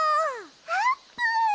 あーぷん！